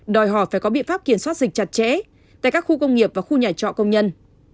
đòi hỏi phải có biện pháp kiểm soát dịch chặt chẽ tại các khu công nghiệp và khu nhà trọ công nhân